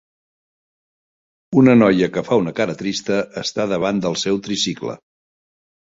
Una noia que fa una cara trista està davant del seu tricicle